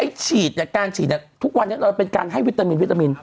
ไอ้ฉีดแต่การฉีดนี่ทุกวันนี้เราเป็นการให้วิตามิน